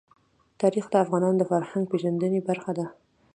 تاریخ د افغانانو د فرهنګي پیژندنې برخه ده.